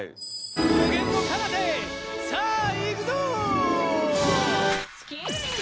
無限のかなたへさあ行くぞ！